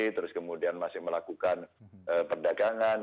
terus kemudian masih melakukan perdagangan